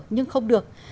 nhưng không được